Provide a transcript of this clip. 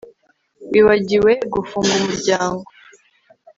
Wibagiwe gufunga umuryango